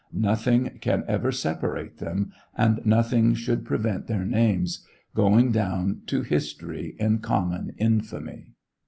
Nothing can ever separate them, and nothing should prevent their names going down to history in common infamy.